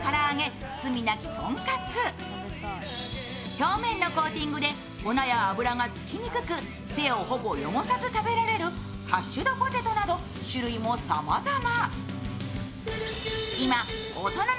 表面のコーティングで粉や油がつきにくく手をほぼ汚さず食べられるハッシュドポテトなど種類はさまざま。